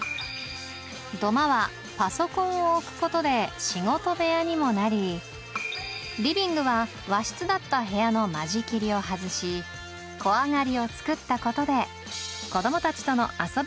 土間はパソコンを置くことで仕事部屋にもなりリビングは和室だった部屋の間仕切りを外し小上がりを作ったことで子どもたちとの遊び